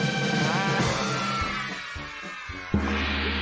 อ่า